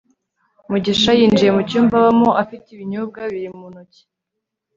mugisha yinjiye mu cyumba abamo afite ibinyobwa bibiri mu ntoki